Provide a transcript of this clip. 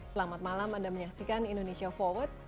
selamat malam anda menyaksikan indonesia forward